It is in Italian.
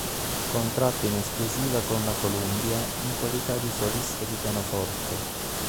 Contratto in esclusiva con la Columbia in qualità di solista di pianoforte.